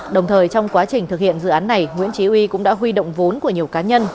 đồng thời trong quá trình thực hiện dự án này nguyễn trí uy cũng đã huy động vốn của nhiều cá nhân